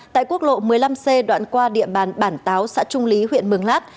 tại quốc lộ một mươi năm c đoạn qua địa bàn bản táo xã trung lý huyện mường lát